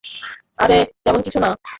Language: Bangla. আরে তেমন কিছু না।